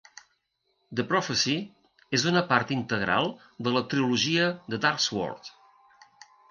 "The Prophecy" és una part integral de la trilogia de "Darksword".